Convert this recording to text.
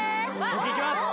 僕いきます